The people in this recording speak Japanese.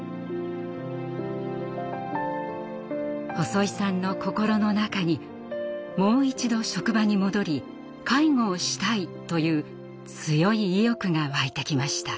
細井さんの心の中にもう一度職場に戻り「介護をしたい」という強い意欲が湧いてきました。